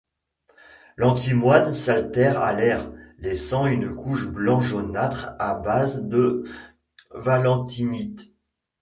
L'antimoine s'altère à l'air, laissant une couche blanc jaunâtre à base de valentinite.